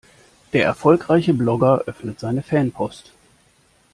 Der erfolgreiche Blogger öffnet seine Fanpost.